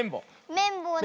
めんぼうだよ。